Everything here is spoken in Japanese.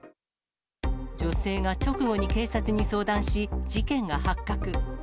女性が直後に警察に相談し、事件が発覚。